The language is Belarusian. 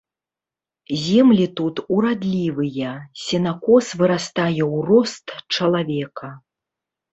Землі тут урадлівыя, сенакос вырастае ў рост чалавека.